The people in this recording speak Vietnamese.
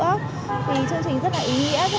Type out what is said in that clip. thì chương trình rất là ý nghĩa rất là hay